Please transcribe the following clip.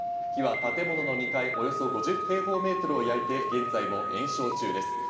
火は建物の２階、およそ５０平方メートルを焼いて、現在も延焼中です。